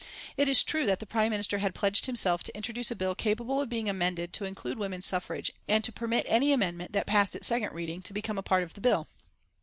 It is true that the Prime Minister had pledged himself to introduce a bill capable of being amended to include women's suffrage, and to permit any amendment that passed its second reading to become a part of the bill.